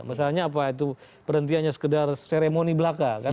misalnya apa itu perhentiannya sekedar seremoni belaka kan